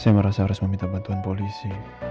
saya merasa harus meminta bantuan polisi